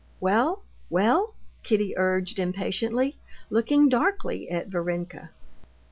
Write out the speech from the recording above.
"Well, well!" Kitty urged impatiently, looking darkly at Varenka.